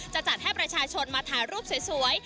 จะจัดให้ประชาชนมาถ่ายรูปสวย